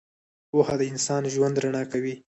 • پوهه د انسان ژوند رڼا کوي.